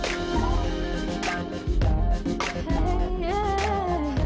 bapak gimana sih